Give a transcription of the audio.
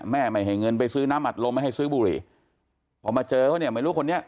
แม่ไม่ให้เงินไปซื้อน้ำอัดลมไม่ให้ซื้อบุหรี